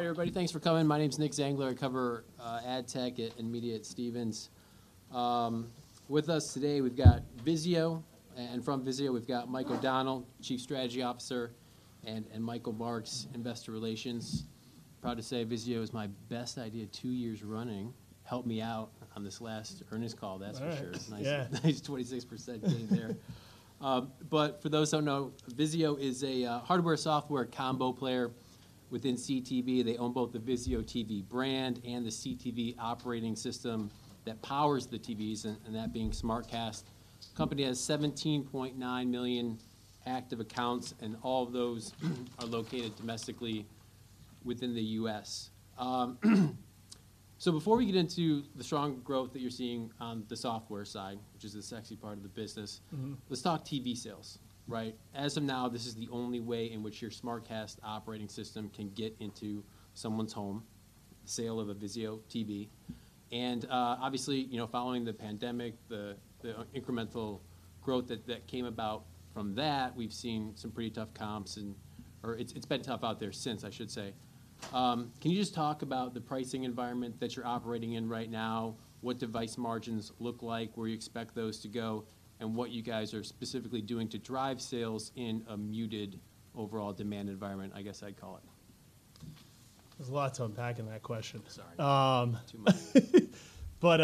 All right, everybody, thanks for coming. My name's Nicholas Zangler. I cover AdTech and media at Stephens. With us today, we've got VIZIO, and from VIZIO, we've got Mike O’Donnell, Chief Strategy Officer, and Michael Marks, Investor Relations. Proud to say VIZIO is my best idea two years running. Helped me out on this last earnings call, that's for sure. Nice. Yeah. Nice, nice 26% gain there. But for those who don't know, VIZIO is a hardware-software combo player within CTV. They own both the VIZIO TV brand and the CTV operating system that powers the TVs, and, and that being SmartCast. Company has 17.9 million active accounts, and all of those are located domestically within the US. So before we get into the strong growth that you're seeing on the software side, which is the sexy part of the business- Mm-hmm. Let's talk TV sales, right? As of now, this is the only way in which your SmartCast operating system can get into someone's home, the sale of a VIZIO TV. And, obviously, you know, following the pandemic, the incremental growth that came about from that, we've seen some pretty tough comps or it's been tough out there since I should say. Can you just talk about the pricing environment that you're operating in right now, what device margins look like, where you expect those to go, and what you guys are specifically doing to drive sales in a muted overall demand environment, I guess I'd call it? There's a lot to unpack in that question. Sorry. Um, Too much. But,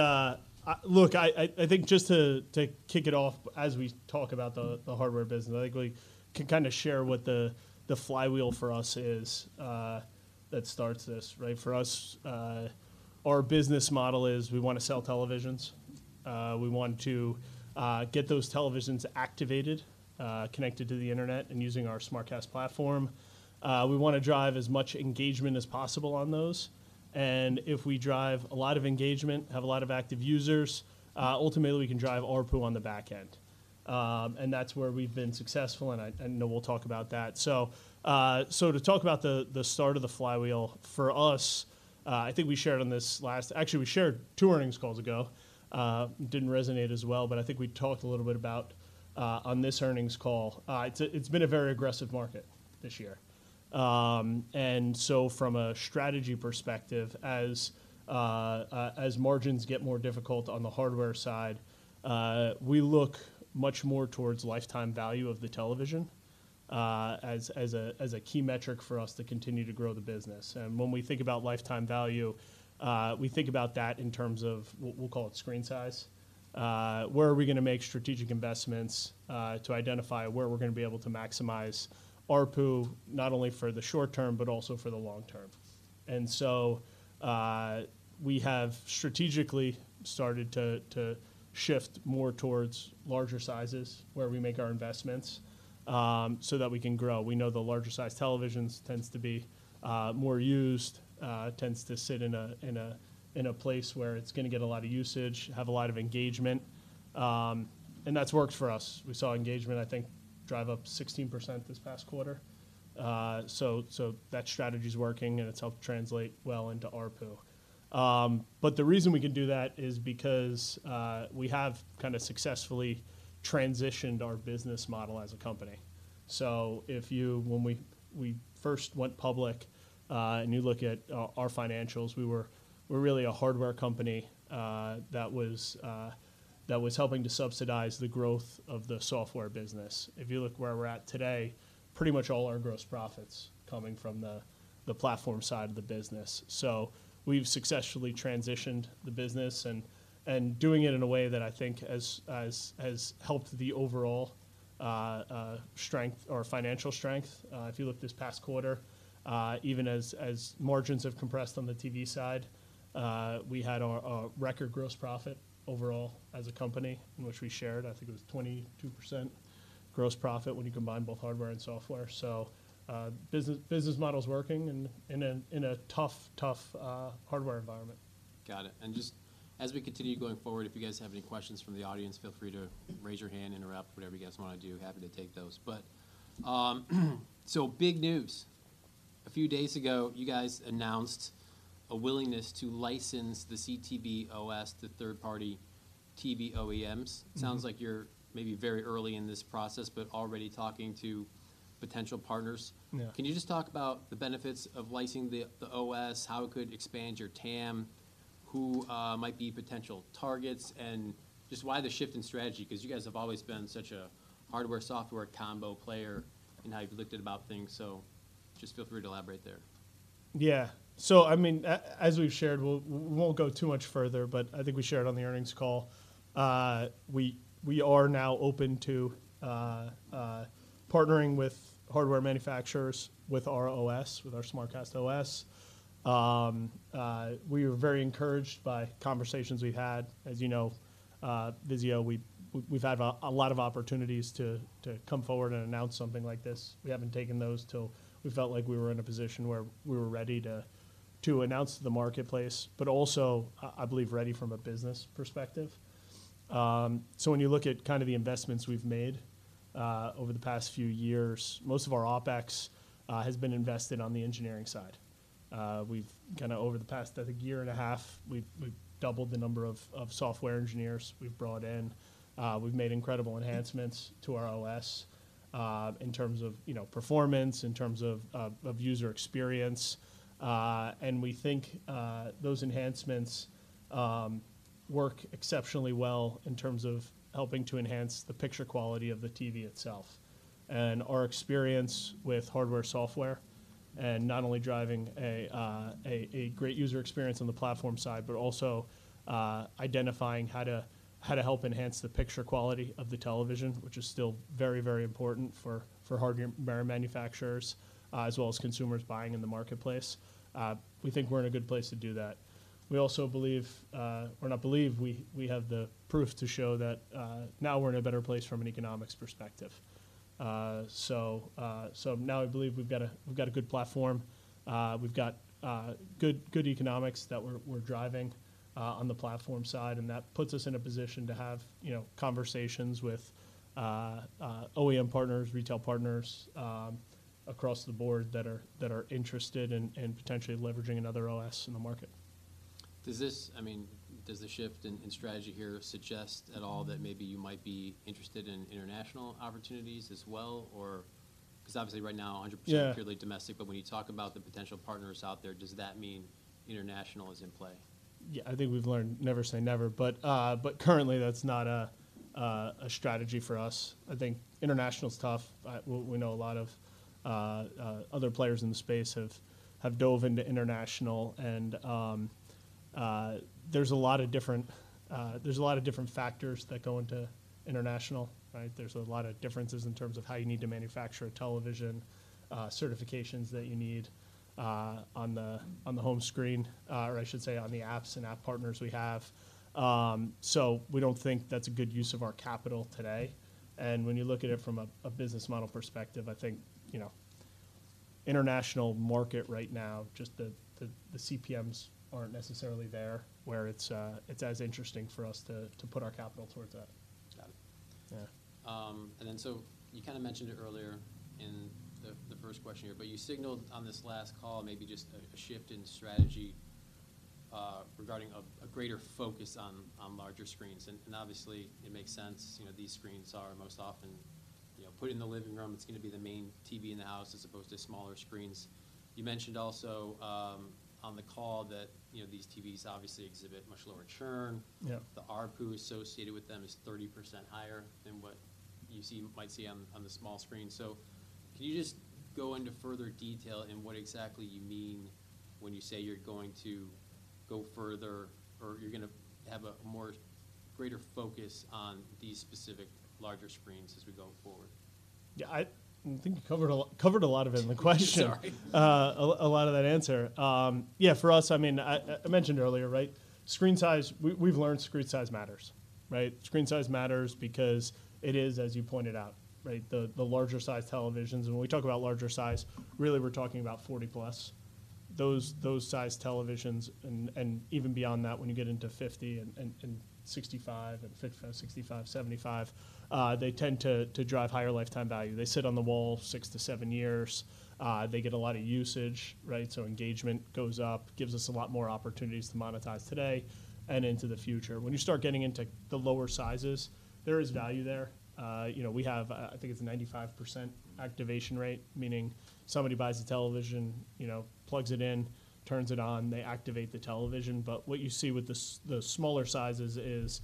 I think just to kick it off, as we talk about the hardware business, I think we can kind of share what the flywheel for us is, that starts this, right? For us, our business model is we want to sell televisions. We want to get those televisions activated, connected to the internet and using our SmartCast platform. We want to drive as much engagement as possible on those, and if we drive a lot of engagement, have a lot of active users, ultimately, we can drive ARPU on the back end. And that's where we've been successful, and I know we'll talk about that. So, to talk about the start of the flywheel for us, I think we shared on this last. Actually, we shared two earnings calls ago, didn't resonate as well, but I think we talked a little bit about, on this earnings call. It's been a very aggressive market this year. And so from a strategy perspective, as margins get more difficult on the hardware side, we look much more towards lifetime value of the television, as a key metric for us to continue to grow the business. And when we think about lifetime value, we think about that in terms of we'll call it screen size. Where are we gonna make strategic investments, to identify where we're gonna be able to maximize ARPU, not only for the short term, but also for the long term? We have strategically started to shift more towards larger sizes, where we make our investments, so that we can grow. We know the larger-sized televisions tends to be more used, tends to sit in a place where it's gonna get a lot of usage, have a lot of engagement, and that's worked for us. We saw engagement, I think, drive up 16% this past quarter. So that strategy's working, and it's helped translate well into ARPU. But the reason we can do that is because we have kind of successfully transitioned our business model as a company. So if you when we first went public, and you look at our financials, we were really a hardware company that was helping to subsidize the growth of the software business. If you look where we're at today, pretty much all our gross profit's coming from the platform side of the business. So we've successfully transitioned the business and doing it in a way that I think has helped the overall strength or financial strength. If you look this past quarter, even as margins have compressed on the TV side, we had a record gross profit overall as a company, in which we shared. I think it was 22% gross profit when you combine both hardware and software. So, business model's working in a tough hardware environment. Got it. Just as we continue going forward, if you guys have any questions from the audience, feel free to raise your hand, interrupt, whatever you guys want to do. Happy to take those. But, so big news: a few days ago, you guys announced a willingness to license the CTV OS to third-party TV OEMs. Mm-hmm. Sounds like you're maybe very early in this process, but already talking to potential partners. Yeah. Can you just talk about the benefits of licensing the OS, how it could expand your TAM, who might be potential targets, and just why the shift in strategy? Because you guys have always been such a hardware-software combo player in how you've looked about things. So just feel free to elaborate there. Yeah. So I mean, as we've shared, we won't go too much further, but I think we shared on the earnings call, we are now open to partnering with hardware manufacturers, with our OS, with our SmartCast OS. We were very encouraged by conversations we've had. As you know, VIZIO, we've had a lot of opportunities to come forward and announce something like this. We haven't taken those till we felt like we were in a position where we were ready to announce to the marketplace, but also, I believe, ready from a business perspective. So when you look at kind of the investments we've made over the past few years, most of our OpEx has been invested on the engineering side. We've kind of over the past, I think, year and a half, we've doubled the number of software engineers we've brought in. We've made incredible enhancements to our OS. In terms of, you know, performance, in terms of user experience. We think those enhancements work exceptionally well in terms of helping to enhance the picture quality of the TV itself. And our experience with hardware, software, and not only driving a great user experience on the platform side, but also identifying how to help enhance the picture quality of the television, which is still very, very important for hardware manufacturers as well as consumers buying in the marketplace. We think we're in a good place to do that. We also believe—or not believe, we have the proof to show that now we're in a better place from an economics perspective. So now I believe we've got a—we've got a good platform. We've got good, good economics that we're driving on the platform side, and that puts us in a position to have, you know, conversations with OEM partners, retail partners across the board that are interested in potentially leveraging another OS in the market. I mean, does the shift in strategy here suggest at all that maybe you might be interested in international opportunities as well, or? 'Cause obviously, right now, 100%- Yeah -puely domestic, but when you talk about the potential partners out there, does that mean international is in play? Yeah, I think we've learned never say never, but currently, that's not a strategy for us. I think international's tough. We know a lot of other players in the space have dove into international and there's a lot of different factors that go into international, right? There's a lot of differences in terms of how you need to manufacture a television, certifications that you need, on the home screen, or I should say, on the apps and app partners we have. So we don't think that's a good use of our capital today. When you look at it from a business model perspective, I think, you know, international market right now, just the CPMs aren't necessarily there, where it's as interesting for us to put our capital towards that. Got it. Yeah. And then, so you kinda mentioned it earlier in the first question here, but you signaled on this last call maybe just a shift in strategy regarding a greater focus on larger screens. And obviously, it makes sense. You know, these screens are most often, you know, put in the living room. It's gonna be the main TV in the house, as opposed to smaller screens. You mentioned also on the call that, you know, these TVs obviously exhibit much lower churn. Yep. The ARPU associated with them is 30% higher than what you see, might see on, on the small screen. So can you just go into further detail in what exactly you mean when you say you're going to go further, or you're gonna have a more greater focus on these specific larger screens as we go forward? Yeah, I think you covered a lot of it in the question. Sorry. A lot of that answer. Yeah, for us, I mean, I mentioned earlier, right? Screen size— We've learned screen size matters, right? Screen size matters because it is, as you pointed out, right? The larger-sized televisions, and when we talk about larger size, really, we're talking about 40+. Those size televisions and even beyond that, when you get into 50 and 55, 65, 75, they tend to drive higher lifetime value. They sit on the wall 6-7 years. They get a lot of usage, right? So engagement goes up, gives us a lot more opportunities to monetize today and into the future. When you start getting into the lower sizes, there is value there. You know, we have, I think it's a 95% activation rate, meaning somebody buys a television, you know, plugs it in, turns it on, they activate the television. But what you see with the smaller sizes is,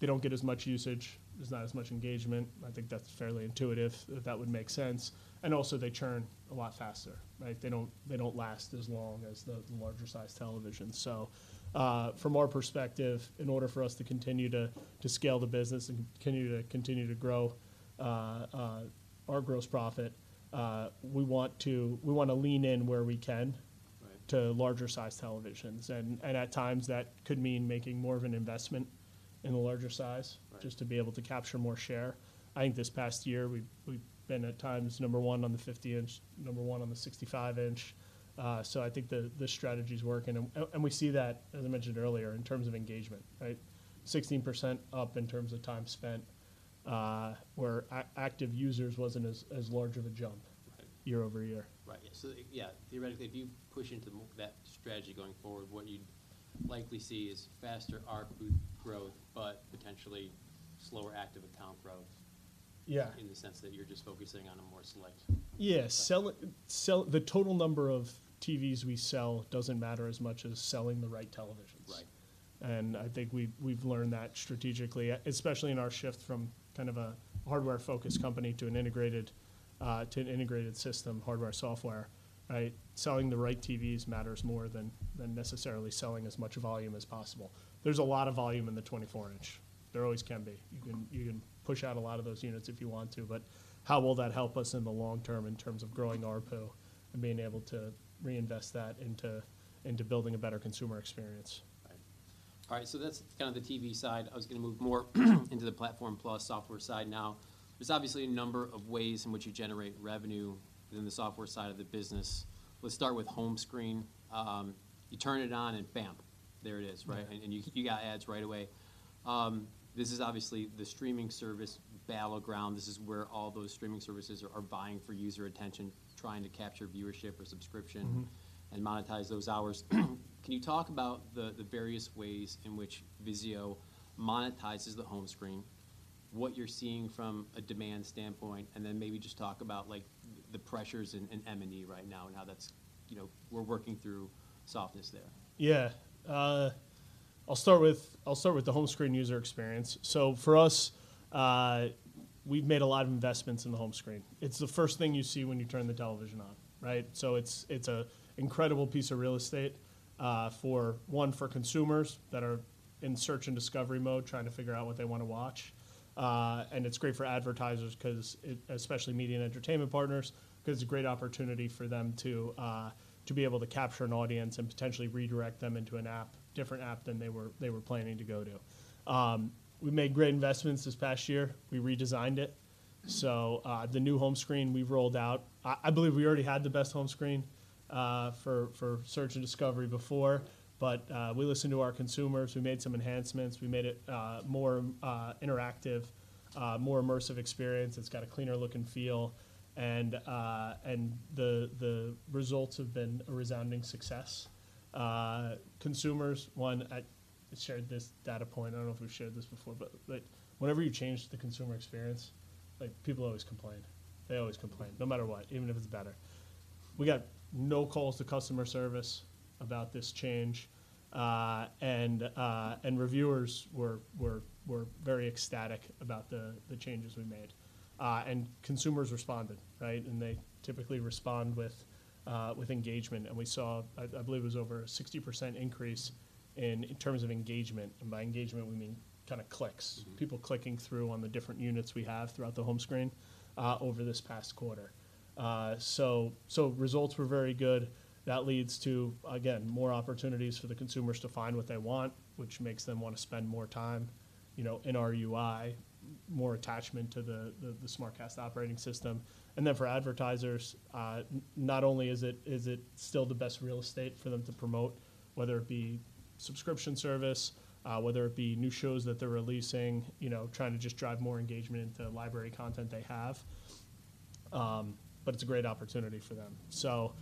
they don't get as much usage. There's not as much engagement. I think that's fairly intuitive, that would make sense, and also, they churn a lot faster, right? They don't, they don't last as long as the larger-sized televisions. So, from our perspective, in order for us to continue to scale the business and continue to grow, our gross profit, we want to- we wanna lean in where we can- Right -to larger-sized televisions. And at times, that could mean making more of an investment in a larger size- Right -just to be able to capture more share. I think this past year, we've been, at times, number one on the 50-inch, number one on the 65-inch. So I think the strategy's working, and we see that, as I mentioned earlier, in terms of engagement, right? 16% up in terms of time spent, where active users wasn't as large of a jump- Right -year-over-year. Right. Yeah, so, yeah, theoretically, if you push into more of that strategy going forward, what you'd likely see is faster ARPU growth, but potentially slower active account growth- Yeah -in the sense that you're just focusing on a more select. Yeah, the total number of TVs we sell doesn't matter as much as selling the right televisions. Right. I think we've learned that strategically, especially in our shift from kind of a hardware-focused company to an integrated system, hardware, software, right? Selling the right TVs matters more than necessarily selling as much volume as possible. There's a lot of volume in the 24-inch. There always can be. You can push out a lot of those units if you want to, but how will that help us in the long term, in terms of growing ARPU and being able to reinvest that into building a better consumer experience? Right. All right, so that's kind of the TV side. I was gonna move more into the Platform+ software side now. There's obviously a number of ways in which you generate revenue within the software side of the business. Let's start with home screen. You turn it on and bam, there it is, right? Right. And you got ads right away. This is obviously the streaming service battleground. This is where all those streaming services are buying for user attention, trying to capture viewership or subscription- Mm-hmm -and monetize those hours. Can you talk about the, the various ways in which VIZIO monetizes the home screen? What you're seeing from a demand standpoint, and then maybe just talk about, like, the pressures in, in M&E right now, and how that's, you know, we're working through softness there. Yeah. I'll start with the home screen user experience. So for us, we've made a lot of investments in the home screen. It's the first thing you see when you turn the television on, right? So it's an incredible piece of real estate, for one, for consumers that are in search and discovery mode, trying to figure out what they want to watch. And it's great for advertisers 'cause it especially media and entertainment partners, 'cause it's a great opportunity for them to be able to capture an audience and potentially redirect them into an app, different app than they were planning to go to. We made great investments this past year. We redesigned it. So, the new home screen we've rolled out. I believe we already had the best home screen for search and discovery before, but we listened to our consumers. We made some enhancements. We made it more interactive, more immersive experience. It's got a cleaner look and feel, and the results have been a resounding success. Consumers, one, I shared this data point. I don't know if we've shared this before, but whenever you change the consumer experience, like, people always complain. They always complain, no matter what, even if it's better. We got no calls to customer service about this change, and reviewers were very ecstatic about the changes we made. And consumers responded, right? They typically respond with engagement, and we saw, I believe it was over a 60% increase in terms of engagement. And by engagement, we mean kind of clicks- Mm-hmm. -people clicking through on the different units we have throughout the home screen over this past quarter. So, so results were very good. That leads to, again, more opportunities for the consumers to find what they want, which makes them want to spend more time, you know, in our UI, more attachment to the SmartCast operating system. And then for advertisers, not only is it still the best real estate for them to promote, whether it be subscription service, whether it be new shows that they're releasing, you know, trying to just drive more engagement into library content they have, but it's a great opportunity for them. So,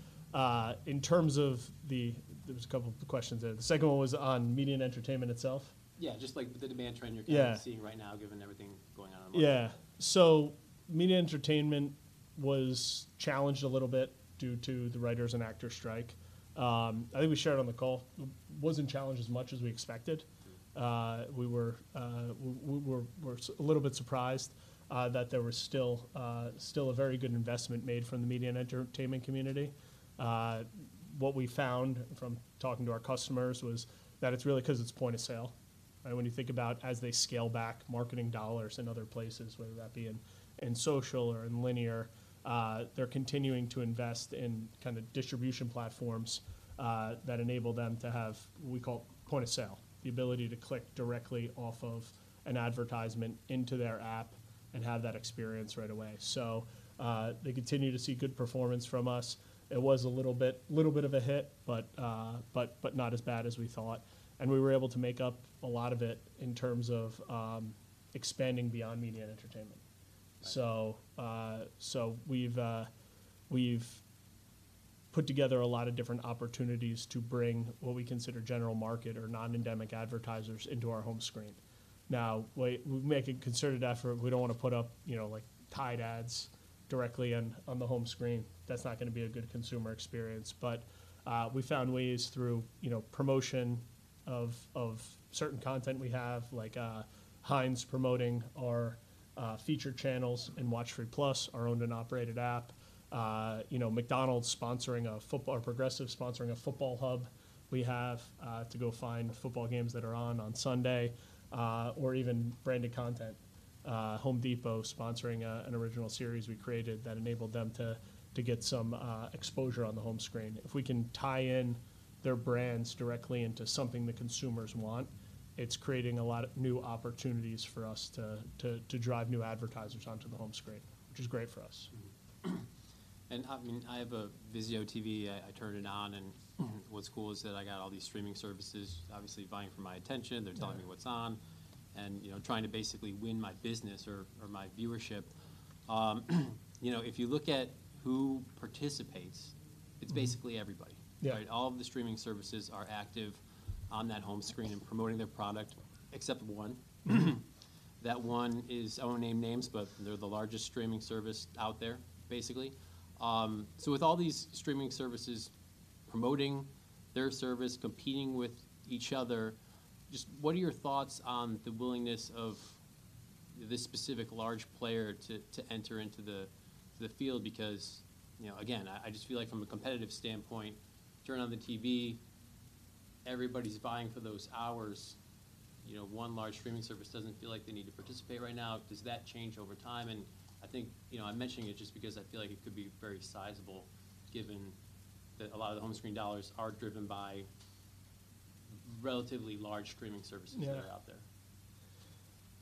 in terms of there was a couple of questions there. The second one was on media and entertainment itself? Yeah, just like the demand trend you're- Yeah -kind of seeing right now, given everything going on in the market. Yeah. So media and entertainment was challenged a little bit due to the writers' and actors' strike. I think we shared on the call, wasn't challenged as much as we expected. We were a little bit surprised that there was still a very good investment made from the media and entertainment community. What we found from talking to our customers was that it's really 'cause it's point of sale, right? When you think about as they scale back marketing dollars in other places, whether that be in social or in linear, they're continuing to invest in kind of distribution platforms that enable them to have what we call point of sale. The ability to click directly off of an advertisement into their app and have that experience right away. They continue to see good performance from us. It was a little bit, little bit of a hit, but not as bad as we thought, and we were able to make up a lot of it in terms of expanding beyond media and entertainment. Right. So, we've put together a lot of different opportunities to bring what we consider general market or non-endemic advertisers into our home screen. Now, we make a concerted effort. We don't want to put up, you know, like, Tide ads directly on the home screen. That's not gonna be a good consumer experience. But, we found ways through, you know, promotion of certain content we have, like, Heinz promoting our featured channels in WatchFree+, our owned and operated app. You know, McDonald's sponsoring a football, or Progressive, sponsoring a football hub we have to go find football games that are on Sunday, or even branded content. Home Depot sponsoring an original series we created that enabled them to get some exposure on the home screen. If we can tie in their brands directly into something the consumers want, it's creating a lot of new opportunities for us to drive new advertisers onto the home screen, which is great for us. Mm-hmm. I mean, I have a VIZIO TV. I turn it on, and- Mm-hmm -what's cool is that I got all these streaming services, obviously, vying for my attention. Yeah. They're telling me what's on, and, you know, trying to basically win my business or, or my viewership. You know, if you look at who participates- Mm-hmm. It's basically everybody. Yeah. Right? All of the streaming services are active on that home screen. Mm-hmm And promoting their product, except one. That one is, I won't name names, but they're the largest streaming service out there, basically. So with all these streaming services promoting their service, competing with each other, just what are your thoughts on the willingness of this specific large player to enter into the field? Because, you know, again, I just feel like from a competitive standpoint, turn on the TV, everybody's vying for those hours. You know, one large streaming service doesn't feel like they need to participate right now. Does that change over time? And I think, you know, I'm mentioning it just because I feel like it could be very sizable, given that a lot of the home screen dollars are driven by relatively large streaming services- Yeah -that are out there.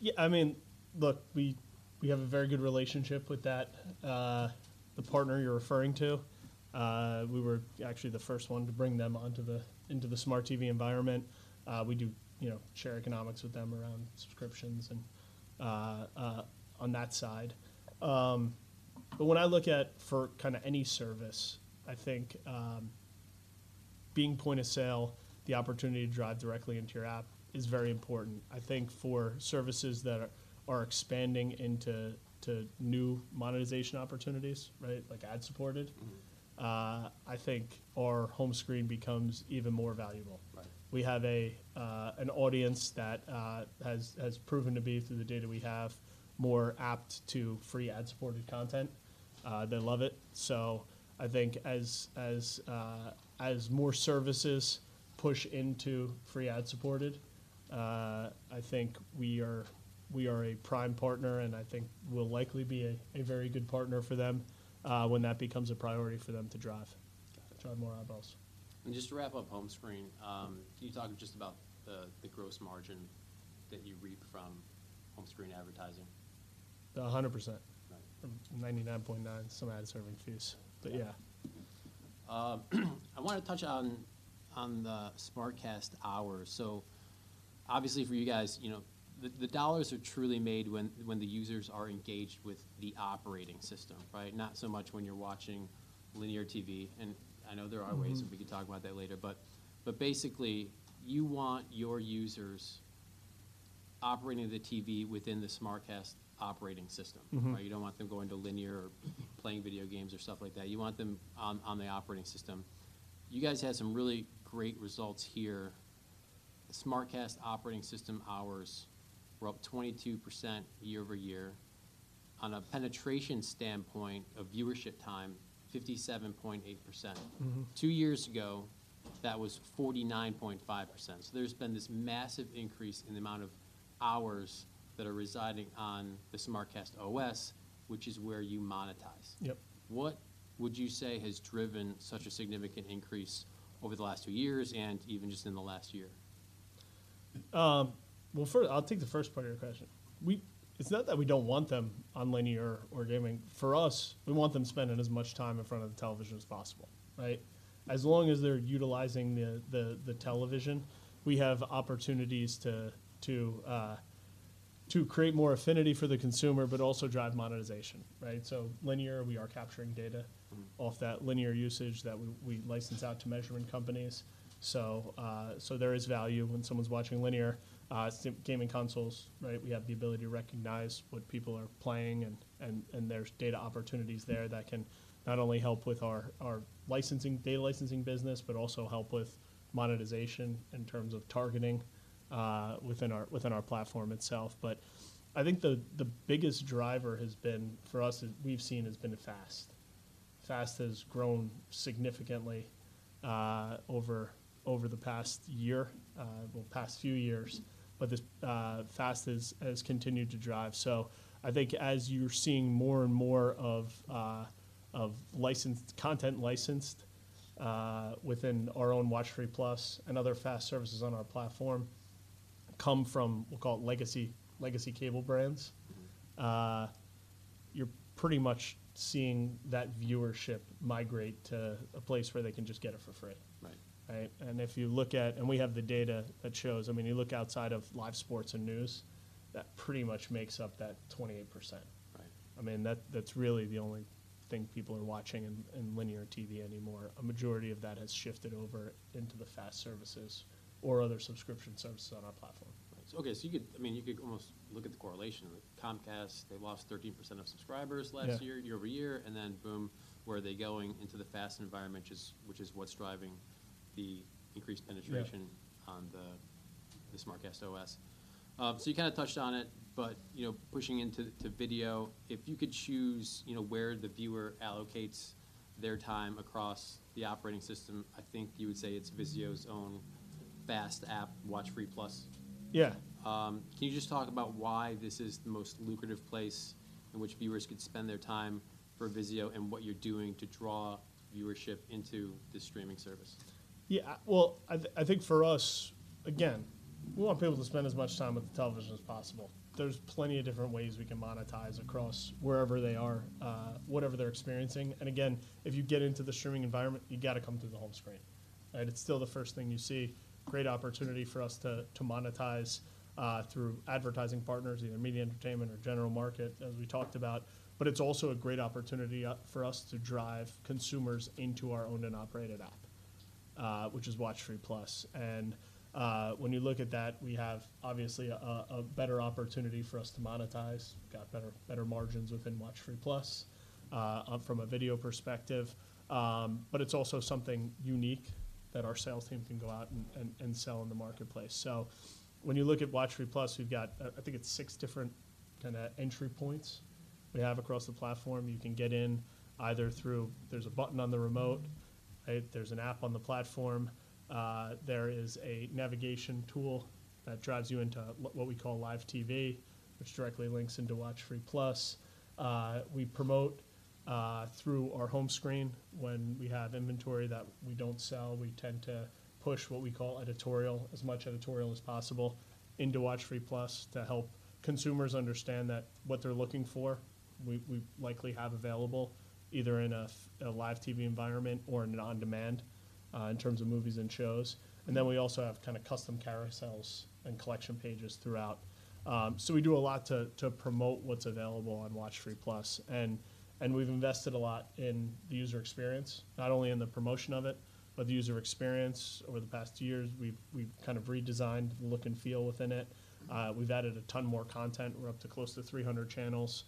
Yeah, I mean, look, we, we have a very good relationship with that, the partner you're referring to. We were actually the first one to bring them onto the into the smart TV environment. We do, you know, share economics with them around subscriptions and on that side. But when I look at for kind of any service, I think, being point of sale, the opportunity to drive directly into your app is very important. I think for services that are expanding into to new monetization opportunities, right? Like ad-supported- Mm-hmm. I think our home screen becomes even more valuable. Right. We have an audience that has proven to be, through the data we have, more apt to free ad-supported content. They love it. So I think as more services push into free ad-supported, I think we are a prime partner, and I think we'll likely be a very good partner for them, when that becomes a priority for them to drive more ad dollars. Just to wrap up home screen, can you talk just about the gross margin that you reap from home screen advertising? 100%. Right. From 99.9, some ad serving fees. But yeah. I wanna touch on the SmartCast hours. So obviously, for you guys, you know, the dollars are truly made when the users are engaged with the operating system, right? Not so much when you're watching linear TV, and I know there are ways- Mm-hmm. and we can talk about that later. But basically, you want your users operating the TV within the SmartCast operating system. Mm-hmm. You don't want them going to linear or playing video games or stuff like that. You want them on, on the operating system. You guys had some really great results here. The SmartCast operating system hours were up 22% year-over-year. On a penetration standpoint of viewership time, 57.8%. Mm-hmm. Two years ago, that was 49.5%. So there's been this massive increase in the amount of hours that are residing on the SmartCast OS, which is where you monetize. Yep. What would you say has driven such a significant increase over the last two years and even just in the last year? Well, first, I'll take the first part of your question. We— It's not that we don't want them on linear or gaming. For us, we want them spending as much time in front of the television as possible, right? As long as they're utilizing the television, we have opportunities to create more affinity for the consumer, but also drive monetization, right? So linear, we are capturing data- Mm-hmm -off that linear usage that we license out to measuring companies. So, so there is value when someone's watching linear, gaming consoles, right? We have the ability to recognize what people are playing, and there's data opportunities there that can not only help with our licensing, data licensing business, but also help with monetization in terms of targeting, within our platform itself. But I think the biggest driver has been, for us, as we've seen, the FAST. FAST has grown significantly, well, over the past year, past few years. Mm-hmm. But this FAST has continued to drive. So I think as you're seeing more and more of licensed content licensed within our own WatchFree+ and other FAST services on our platform come from, we'll call it legacy cable brands. Mm-hmm. You're pretty much seeing that viewership migrate to a place where they can just get it for free. Right. Right? And if you look at and we have the data that shows, I mean, you look outside of live sports and news, that pretty much makes up that 28%. Right. I mean, that, that's really the only thing people are watching in linear TV anymore. A majority of that has shifted over into the FAST services or other subscription services on our platform. Okay, I mean, you could almost look at the correlation with Comcast. They lost 13% of subscribers last year- Yeah -year-over-year, and then boom, were they going into the FAST environment, which is what's driving the increased penetration- Yeah -on the SmartCast OS. So you kinda touched on it, but, you know, pushing into video, if you could choose, you know, where the viewer allocates their time across the operating system, I think you would say it's VIZIO's own FAST app, WatchFree+. Yeah. Can you just talk about why this is the most lucrative place in which viewers could spend their time for VIZIO, and what you're doing to draw viewership into this streaming service? Yeah. Well, I think for us, again, we want people to spend as much time with the television as possible. There's plenty of different ways we can monetize across wherever they are, whatever they're experiencing. And again, if you get into the streaming environment, you've got to come through the home screen, right? It's still the first thing you see. Great opportunity for us to monetize through advertising partners, either media, entertainment, or general market, as we talked about. But it's also a great opportunity for us to drive consumers into our owned and operated app, which is WatchFree+. And when you look at that, we have obviously a better opportunity for us to monetize, got better margins within WatchFree+, from a video perspective. But it's also something unique that our sales team can go out and sell in the marketplace. So when you look at WatchFree+, we've got, I think it's six different kinda entry points we have across the platform. You can get in either through. There's a button on the remote, right? There's an app on the platform. There is a navigation tool that drives you into what we call live TV, which directly links into WatchFree+. We promote through our home screen. When we have inventory that we don't sell, we tend to push what we call editorial, as much editorial as possible, into WatchFree+ to help consumers understand that what they're looking for, we likely have available either in a live TV environment or in an on-demand in terms of movies and shows. Mm-hmm. And then we also have kinda custom carousels and collection pages throughout. So we do a lot to promote what's available on WatchFree+. And we've invested a lot in the user experience, not only in the promotion of it, but the user experience. Over the past years, we've kind of redesigned the look and feel within it. We've added a ton more content. We're up to close to 300 channels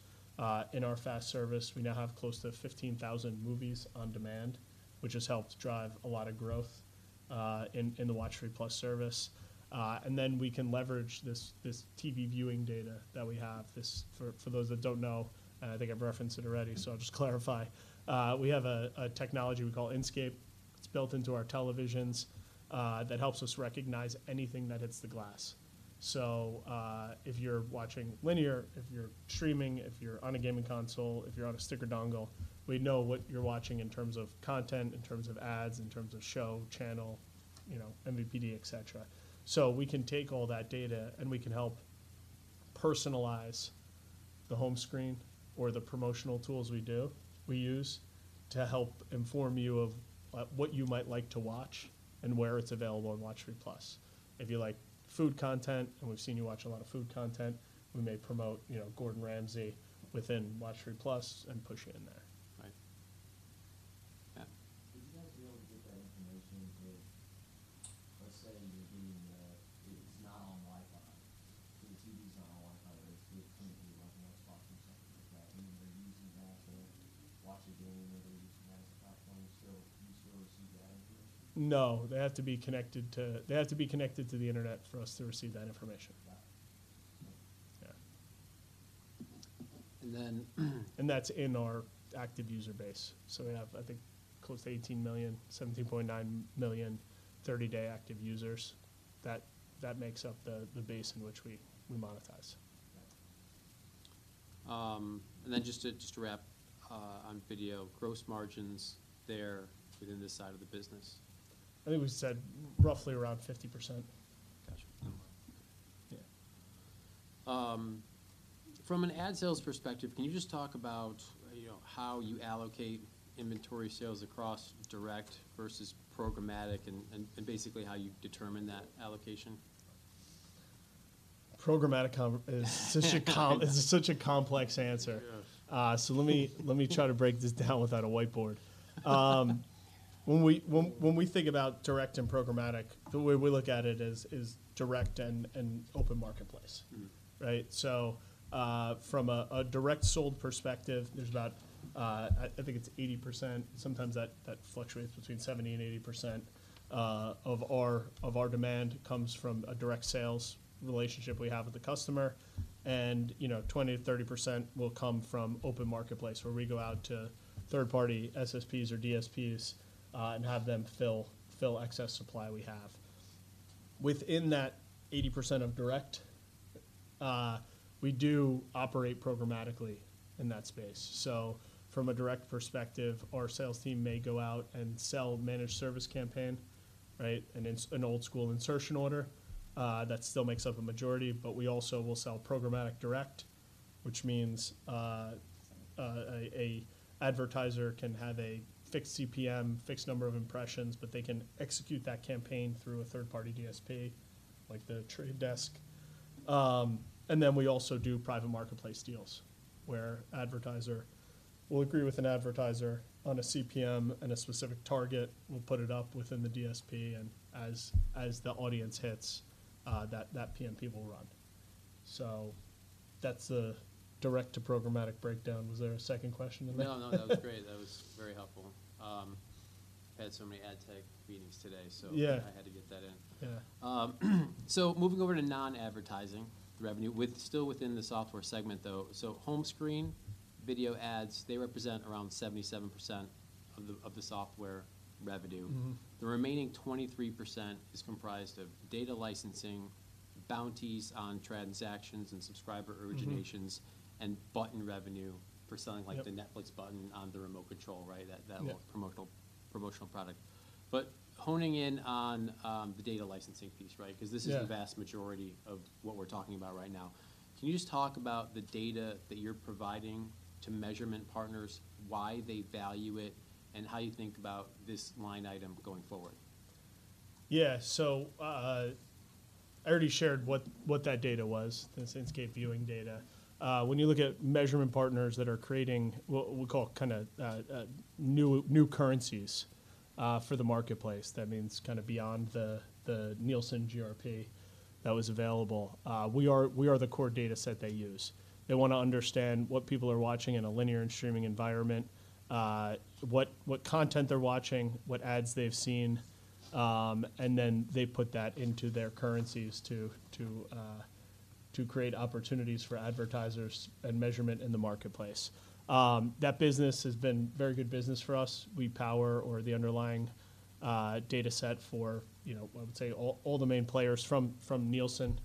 in our FAST service. We now have close to 15,000 movies on demand, which has helped drive a lot of growth in the WatchFree+ service. And then we can leverage this TV viewing data that we have. This, for those that don't know, I think I've referenced it already, so I'll just clarify. We have a technology we call Inscape. It's built into our televisions that helps us recognize anything that hits the glass. So, if you're watching linear, if you're streaming, if you're on a gaming console, if you're on a stick or dongle, we know what you're watching in terms of content, in terms of ads, in terms of show, channel, you know, MVPD, et cetera. So we can take all that data, and we can help personalize the home screen or the promotional tools we use, to help inform you of what you might like to watch and where it's available on WatchFree+. If you like food content, and we've seen you watch a lot of food content, we may promote, you know, Gordon Ramsay within WatchFree+ and push you in there. Right. Yeah? Would you guys be able to get that information if, let's say, it's not on Wi-Fi? The TV's not on Wi-Fi, but it's connected to, like, an Xbox or something like that, and they're using that to watch a game or they're using that platform still. Do you still receive that information? No, they have to be connected to. They have to be connected to the internet for us to receive that information. Got it. Yeah. And then, And that's in our active user base. So we have, I think, close to 18 million, 17.9 million, 30-day active users, that makes up the base in which we monetize. And then just to, just to wrap on video, gross margins there within this side of the business? I think we said roughly around 50%. Gotcha. Yeah. From an ad sales perspective, can you just talk about, you know, how you allocate inventory sales across direct versus programmatic and basically how you determine that allocation? Programmatic content is such a complex answer. Yes. So let me try to break this down without a whiteboard. When we think about direct and programmatic, the way we look at it is direct and open marketplace. Mm. Right? So, from a direct sold perspective, there's about, I think it's 80%, sometimes that fluctuates between 70%-80%, of our demand comes from a direct sales relationship we have with the customer. And, you know, 20%-30% will come from open marketplace, where we go out to third-party SSPs or DSPs, and have them fill excess supply we have. Within that 80% of direct, we do operate programmatically in that space. So from a direct perspective, our sales team may go out and sell managed service campaign, right? An old-school insertion order that still makes up a majority, but we also will sell programmatic direct, which means, an advertiser can have a fixed CPM, fixed number of impressions, but they can execute that campaign through a third-party DSP, like The Trade Desk. And then we also do private marketplace deals, where we'll agree with an advertiser on a CPM and a specific target. We'll put it up within the DSP, and as the audience hits, that PMP will run. So that's a direct to programmatic breakdown. Was there a second question in there? No, no, that was great. That was very helpful. I had so many ad tech meetings today, so- Yeah. I had to get that in. Yeah. So, moving over to non-advertising revenue, still within the software segment, though. So home screen video ads, they represent around 77% of the software revenue. Mm-hmm. The remaining 23% is comprised of data licensing, bounties on transactions and subscriber originations- Mm-hmm. and button revenue for something- Yep -ike the Netflix button on the remote control, right? Yeah. That little promotional product. But honing in on the data licensing piece, right? Yeah. 'Cause this is the vast majority of what we're talking about right now. Can you just talk about the data that you're providing to measurement partners, why they value it, and how you think about this line item going forward? Yeah. So, I already shared what that data was, the Inscape viewing data. When you look at measurement partners that are creating what we'll call kinda new currencies for the marketplace, that means kind of beyond the Nielsen GRP that was available, we are the core data set they use. They want to understand what people are watching in a linear and streaming environment, what content they're watching, what ads they've seen, and then they put that into their currencies to create opportunities for advertisers and measurement in the marketplace. That business has been very good business for us. We power or the underlying data set for, you know, I would say, all, all the main players from, from Nielsen,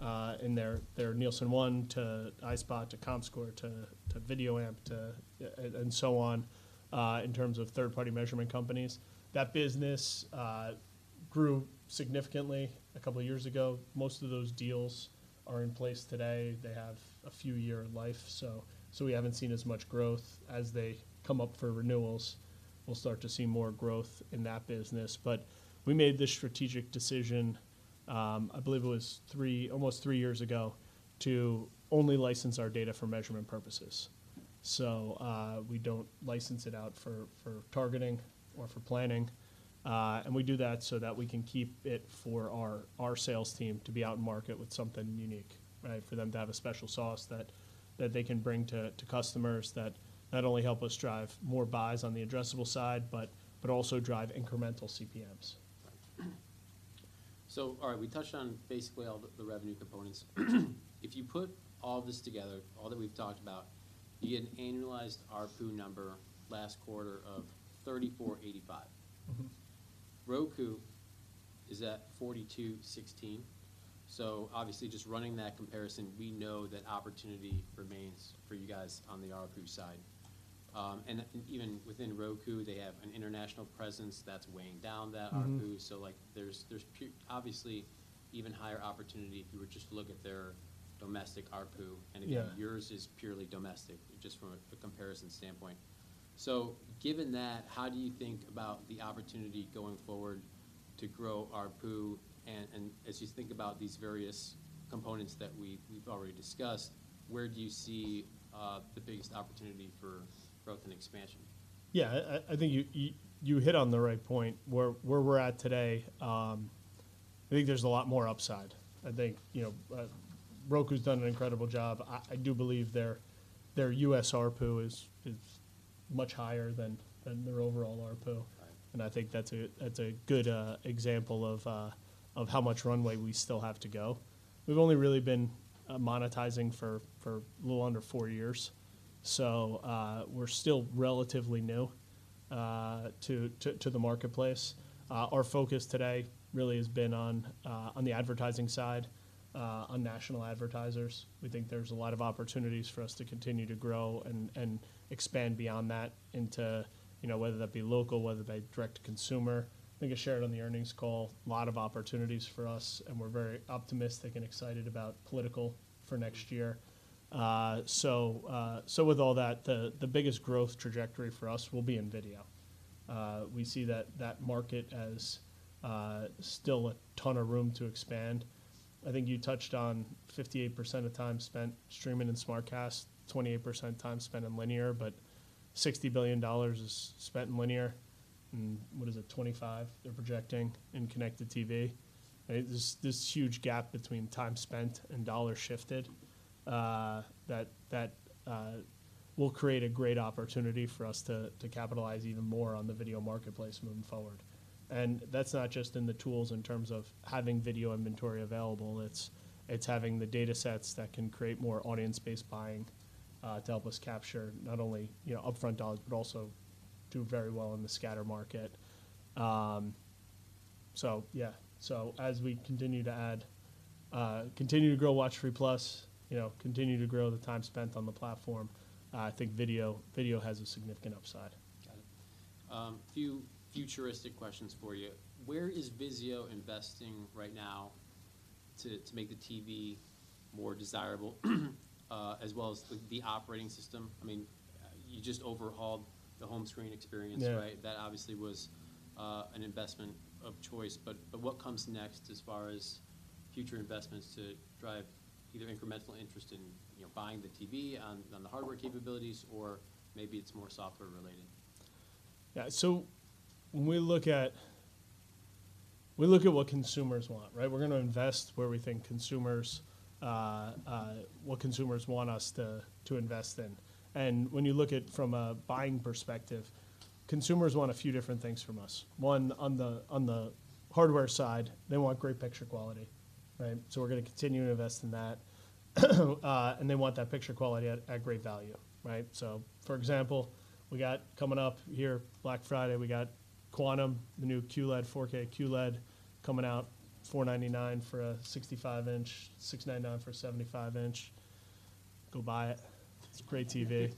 and their, their Nielsen ONE to iSpot, to Comscore, to, to VideoAmp, to, and, and so on, in terms of third-party measurement companies. That business grew significantly a couple of years ago. Most of those deals are in place today. They have a few year life, so, so we haven't seen as much growth. As they come up for renewals, we'll start to see more growth in that business. But we made this strategic decision, I believe it was three, almost three years ago, to only license our data for measurement purposes. So, we don't license it out for targeting or for planning, and we do that so that we can keep it for our sales team to be out in market with something unique, right? For them to have a special sauce that they can bring to customers that not only help us drive more buys on the addressable side, but also drive incremental CPMs. Mm-hmm. So, all right, we touched on basically all the revenue components. If you put all this together, all that we've talked about, you get an annualized ARPU number last quarter of $34.85. Mm-hmm. Roku is at $42.16. So obviously, just running that comparison, we know that opportunity remains for you guys on the ARPU side. And even within Roku, they have an international presence that's weighing down that ARPU. Mm-hmm. So, like, there's obviously even higher opportunity if you were just to look at their domestic ARPU. Yeah. Again, yours is purely domestic, just from a comparison standpoint. So given that, how do you think about the opportunity going forward to grow ARPU? And as you think about these various components that we've already discussed, where do you see the biggest opportunity for growth and expansion? Yeah, I think you hit on the right point. Where we're at today, I think there's a lot more upside. I think, you know, Roku's done an incredible job. I do believe their US ARPU is much higher than their overall ARPU. Right. I think that's a good example of how much runway we still have to go. We've only really been monetizing for a little under four years, so we're still relatively new to the marketplace. Our focus today really has been on the advertising side, on national advertisers. We think there's a lot of opportunities for us to continue to grow and expand beyond that into, you know, whether that be local, whether that be direct to consumer. I think I shared on the earnings call, a lot of opportunities for us, and we're very optimistic and excited about political for next year. So with all that, the biggest growth trajectory for us will be in video. We see that market as still a ton of room to expand. I think you touched on 58% of time spent streaming in SmartCast, 28% time spent in linear, but $60 billion is spent in linear, and what is it? $25 billion they're projecting in connected TV. Right? There's this huge gap between time spent and dollars shifted that will create a great opportunity for us to capitalize even more on the video marketplace moving forward. And that's not just in the tools in terms of having video inventory available. It's having the data sets that can create more audience-based buying to help us capture not only, you know, upfront dollars, but also do very well in the scatter market. So yeah. So as we continue to add, continue to grow WatchFree+, you know, continue to grow the time spent on the platform. I think video has a significant upside. Got it. Few futuristic questions for you. Where is VIZIO investing right now to make the TV more desirable, as well as the operating system? I mean, you just overhauled the home screen experience- Yeah -right? That obviously was an investment of choice. But what comes next as far as future investments to drive either incremental interest in, you know, buying the TV on the hardware capabilities, or maybe it's more software related? Yeah. So when we look at what consumers want, right? We're gonna invest where we think consumers what consumers want us to to invest in. And when you look at from a buying perspective, consumers want a few different things from us. One, on the hardware side, they want great picture quality, right? So we're gonna continue to invest in that. And they want that picture quality at great value, right? So, for example, we got coming up here, Black Friday, we got Quantum, the new QLED, 4K QLED coming out, $499 for a 65-inch, $699 for a 75-inch. Go buy it. It's a great TV.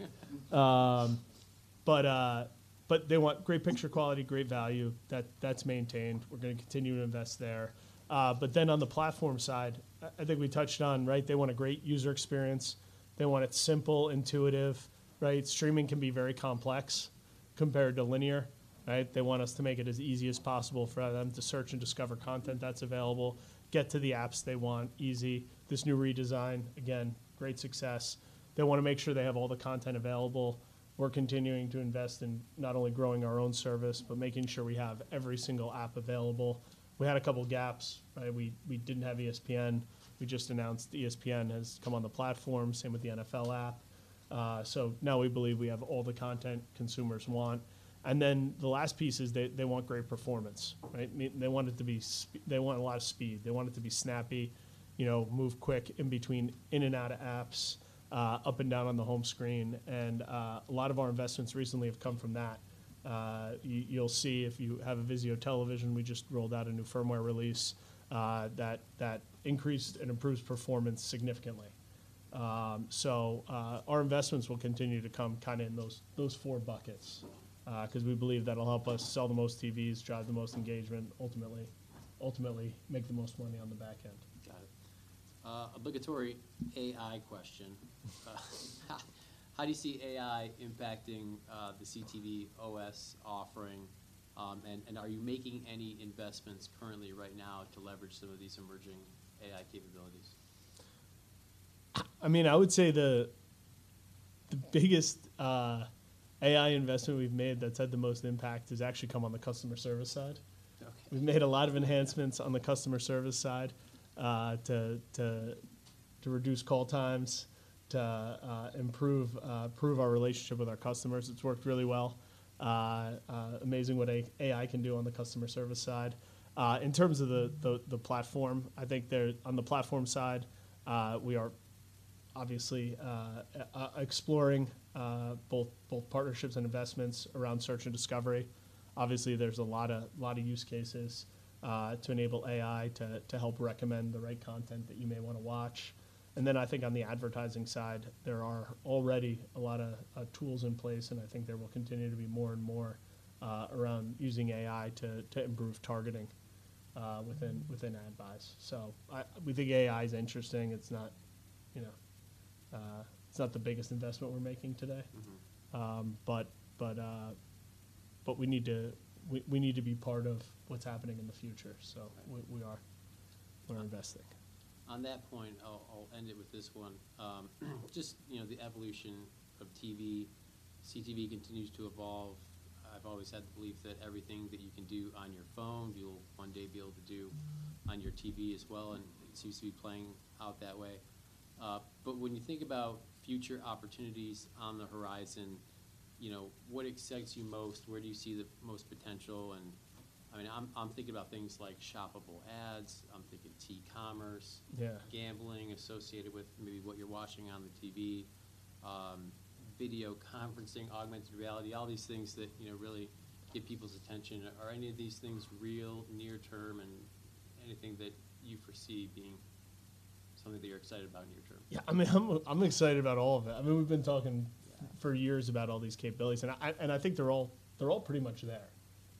But they want great picture quality, great value. That's maintained. We're gonna continue to invest there. But then on the platform side, I think we touched on, right? They want a great user experience. They want it simple, intuitive, right? Streaming can be very complex compared to linear, right? They want us to make it as easy as possible for them to search and discover content that's available, get to the apps they want easy. This new redesign, again, great success. They wanna make sure they have all the content available. We're continuing to invest in not only growing our own service, but making sure we have every single app available. We had a couple gaps, right? We didn't have ESPN. We just announced ESPN has come on the platform, same with the NFL app. So now we believe we have all the content consumers want. And then the last piece is they want great performance, right? They want a lot of speed, they want it to be snappy, you know, move quick in between, in and out of apps, up and down on the home screen. A lot of our investments recently have come from that. You'll see if you have a VIZIO television, we just rolled out a new firmware release that increased and improves performance significantly. Our investments will continue to come kind of in those four buckets, 'cause we believe that'll help us sell the most TVs, drive the most engagement, ultimately, ultimately make the most money on the back end. Got it. Obligatory AI question: How do you see AI impacting the CTV OS offering? And are you making any investments currently right now to leverage some of these emerging AI capabilities? I mean, I would say the biggest AI investment we've made that's had the most impact has actually come on the customer service side. Okay. We've made a lot of enhancements on the customer service side to reduce call times, to improve our relationship with our customers. It's worked really well. Amazing what AI can do on the customer service side. In terms of the platform, I think there on the platform side, we are obviously exploring both partnerships and investments around search and discovery. Obviously, there's a lot of use cases to enable AI to help recommend the right content that you may wanna watch. And then I think on the advertising side, there are already a lot of tools in place, and I think there will continue to be more and more around using AI to improve targeting within ad buys. We think AI is interesting. It's not, you know, it's not the biggest investment we're making today. Mm-hmm. But we need to be part of what's happening in the future. Right. So we're investing. On that point, I'll end it with this one. Just, you know, the evolution of TV, CTV continues to evolve. I've always had the belief that everything that you can do on your phone, you'll one day be able to do on your TV as well, and it seems to be playing out that way. But when you think about future opportunities on the horizon, you know, what excites you most? Where do you see the most potential? And I mean, I'm thinking about things like shoppable ads. I'm thinking T-commerce- Yeah -gambling associated with maybe what you're watching on the TV, video conferencing, augmented reality, all these things that, you know, really get people's attention. Are any of these things real near term, and anything that you foresee being something that you're excited about near term? Yeah. I mean, I'm excited about all of it. I mean, we've been talking for years about all these capabilities, and I think they're all pretty much there,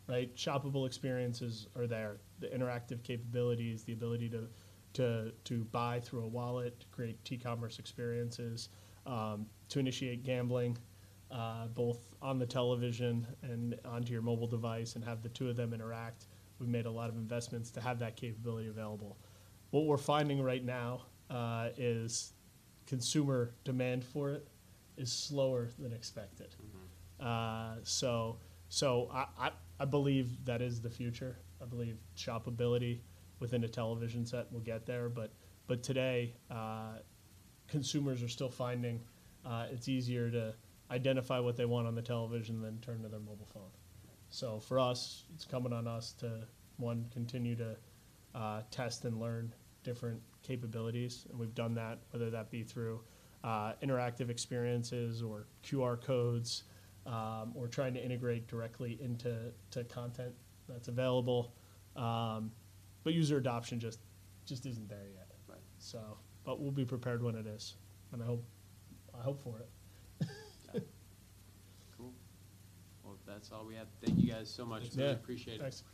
right? Shoppable experiences are there. The interactive capabilities, the ability to buy through a wallet, to create T-commerce experiences, to initiate gambling, both on the television and onto your mobile device and have the two of them interact. We've made a lot of investments to have that capability available. What we're finding right now is consumer demand for it is slower than expected. Mm-hmm. I believe that is the future. I believe shoppability within a television set will get there, but today, consumers are still finding it's easier to identify what they want on the television than turn to their mobile phone. So for us, it's incumbent on us to one, continue to test and learn different capabilities, and we've done that, whether that be through interactive experiences or QR codes, or trying to integrate directly into content that's available. But user adoption just isn't there yet. Right. But we'll be prepared when it is, and I hope, I hope for it. Cool. Well, that's all we have. Thank you guys so much. Yeah. Appreciate it. Thanks.